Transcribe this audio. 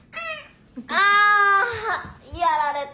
あやられた。